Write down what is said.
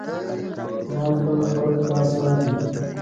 باز تل خپل ښکار ساتي